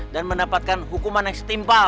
dan mendapatkan hukuman yang setimpal